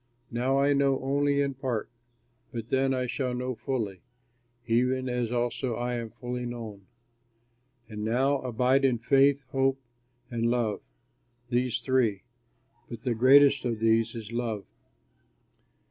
Now I know only in part, but then I shall know fully, even as also I am fully known. And now abide faith, hope, and love, these three; but the greatest of these is love.